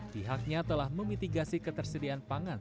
pihaknya telah memitigasi ketersediaan pangan